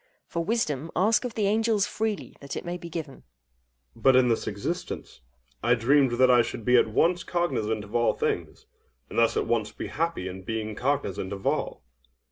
For wisdom, ask of the angels freely, that it may be given! OINOS. But in this existence, I dreamed that I should be at once cognizant of all things, and thus at once be happy in being cognizant of all.